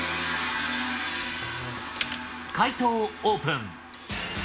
解答をオープン。